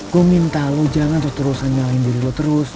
gue minta lo jangan terus terus nyalain diri lo terus